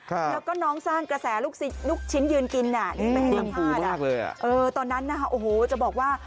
ครับแล้วก็น้องสร้างกระแสลูกชิ้นยืนกินน่ะนี่เป็นความพลาดอ่ะตอนนั้นน่ะโอ้โฮจะบอกว่า